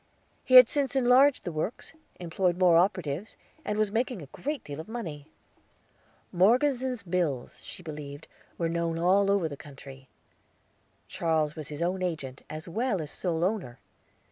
He had since enlarged the works, employed more operatives, and was making a great deal of money. Morgeson's Mills, she believed, were known all over the country. Charles was his own agent, as well as sole owner.